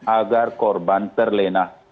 agar korban terlena